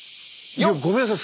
いやごめんなさい。